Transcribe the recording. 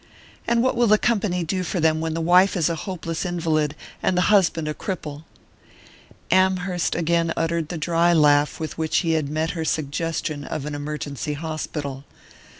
"And what will the company do for them when the wife is a hopeless invalid, and the husband a cripple?" Amherst again uttered the dry laugh with which he had met her suggestion of an emergency hospital.